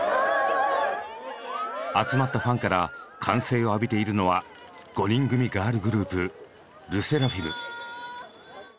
集まったファンから歓声を浴びているのは５人組ガールグループ「ＬＥＳＳＥＲＡＦＩＭ」。